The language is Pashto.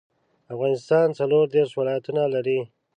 افغانستان څلوردیرش ولايتونه لري.